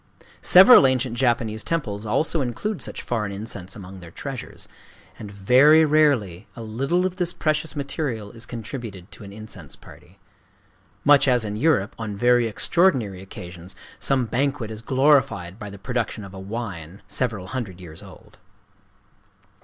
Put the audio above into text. Several ancient Japanese temples also include such foreign incense among their treasures. And very rarely a little of this priceless material is contributed to an incense party,—much as in Europe, on very extraordinary occasions, some banquet is glorified by the production of a wine several hundred years old.